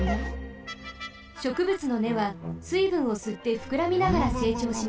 しょくぶつのねはすいぶんをすってふくらみながらせいちょうします。